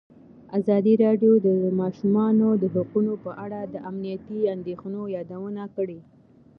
ازادي راډیو د د ماشومانو حقونه په اړه د امنیتي اندېښنو یادونه کړې.